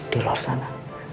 di luar sana